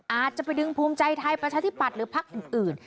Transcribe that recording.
อาจจะไปดึงภูมิใจไทยประชาธิปัตย์หรือพักอื่น